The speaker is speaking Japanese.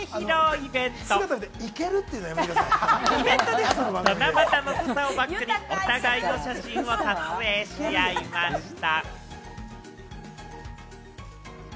イベントでは七夕の笹をバックにお互いの写真を撮影し合いました。